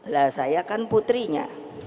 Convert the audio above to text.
lah saya kan putrinya